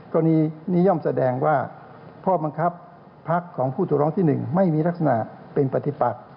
กรณีนี้ย่อมแสดงว่าข้อบังคับพักของผู้ถูกร้องที่๑ไม่มีลักษณะเป็นปฏิปัก